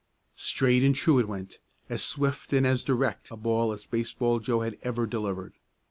] Straight and true it went, as swift and as direct a ball as Baseball Joe had ever delivered.